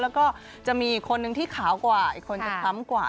แล้วก็จะมีอีกคนนึงที่ขาวกว่าอีกคนจะคล้ำกว่า